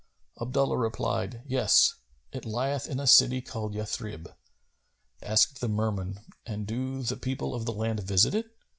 Abdullah replied, "Yes; it lieth in a city called Yathrib.[FN#256]" Asked the Merman, "And do the people of the land visit it?"